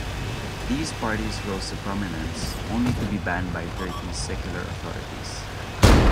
These parties rose to prominence only to be banned by Turkey's secular authorities.